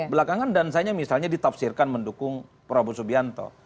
belakangan dansanya misalnya ditafsirkan mendukung prabowo subianto